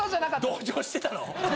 同情してたの？